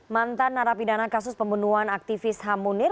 mantan narapidana kasus pembunuhan aktivis ham munir